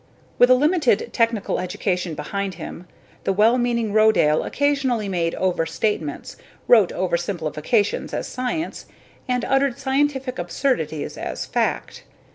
With a limited technical education behind him, the well meaning Rodale occasionally made overstatements, wrote oversimplification as science, and uttered scientific absurdities as fact.